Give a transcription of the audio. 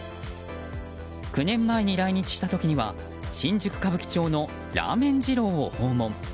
９年前に来日した時には新宿・歌舞伎町のラーメン二郎を訪問。